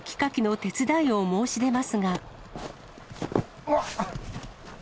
うわっ。